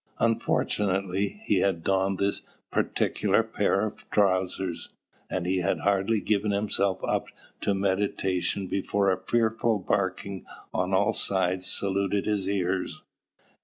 Unfortunately, he had donned this particular pair of trousers; and he had hardly given himself up to meditation before a fearful barking on all sides saluted his ears.